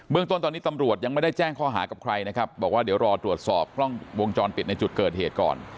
ต้นตอนนี้ตำรวจยังไม่ได้แจ้งข้อหากับใครนะครับบอกว่าเดี๋ยวรอตรวจสอบกล้องวงจรปิดในจุดเกิดเหตุก่อน